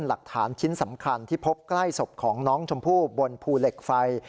หลักฐานชิ้นสำคัญที่พบใกล้ศพของน้องชมพู่บนภูเหล็กไฟ